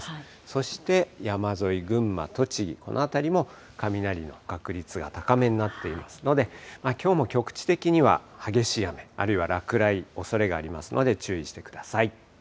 そして山沿い、群馬、栃木、この辺りも雷の確率が高めになっていますので、きょうも局地的には激しい雨、あるいは落雷、おそれがありますので、注意してください。